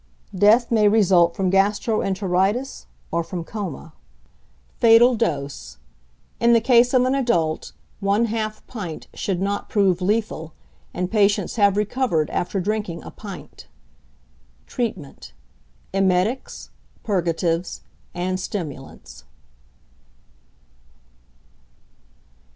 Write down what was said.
Death may result from gastro enteritis or from coma. Fatal Dose. In the case of an adult, 1/2 pint should not prove lethal, and patients have recovered after drinking a pint. Treatment. Emetics, purgatives, and stimulants.